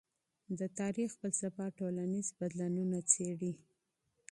د تاریخ فلسفه ټولنیز بدلونونه څېړي.